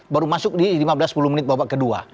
baru masuk di lima belas sepuluh menit bawa ke dua